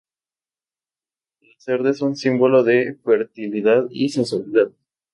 La cerda es un símbolo de fertilidad y sensualidad.